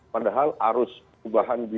padahal arus ubahan di